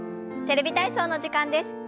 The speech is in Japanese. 「テレビ体操」の時間です。